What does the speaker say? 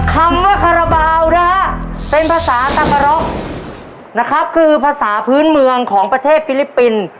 คำว่าคาราบาลนะฮะเป็นภาษาตามร็อกนะครับคือภาษาพื้นเมืองของประเทศฟิลิปปินส์